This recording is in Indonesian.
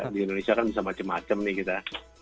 di indonesia kan bisa macem macem nih kita